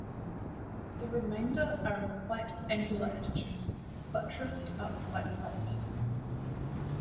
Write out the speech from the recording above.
The remainder are in quite angular attitudes, buttressed up by props.